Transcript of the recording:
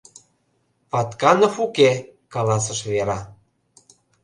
— Патканов уке, — каласыш Вера.